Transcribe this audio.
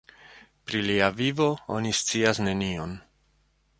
Pri lia vivo oni scias nenion.